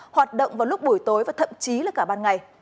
hoạt động vào lúc buổi tối và thậm chí là cả ban ngày